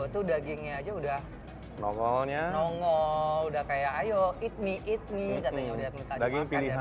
tuh dagingnya aja udah nongol udah kayak ayo eat me eat me katanya udah minta makan